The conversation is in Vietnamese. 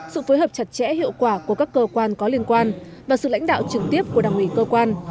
sự phối hợp chặt chẽ hiệu quả của các cơ quan có liên quan và sự lãnh đạo trực tiếp của đảng ủy cơ quan